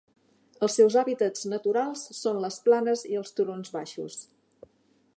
Els seus hàbitats naturals són les planes i els turons baixos.